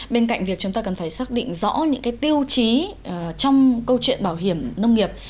bên cạnh việc chúng ta cần phải xác định rõ những tiêu chí trong câu chuyện bảo hiểm nông nghiệp